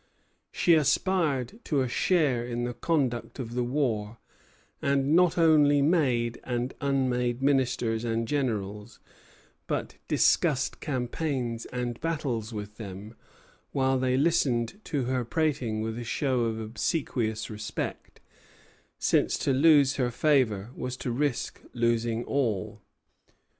She aspired to a share in the conduct of the war, and not only made and unmade ministers and generals, but discussed campaigns and battles with them, while they listened to her prating with a show of obsequious respect, since to lose her favor was to risk losing all.